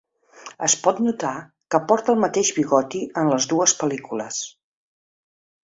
Es pot notar que porta el mateix bigoti en les dues pel·lícules.